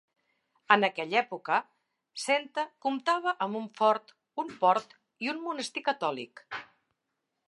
En aquella època, Senta comptava amb un fort, un port i un monestir catòlic.